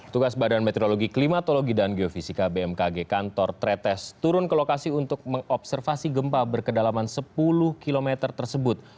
tugas badan meteorologi klimatologi dan geofisika bmkg kantor tretes turun ke lokasi untuk mengobservasi gempa berkedalaman sepuluh km tersebut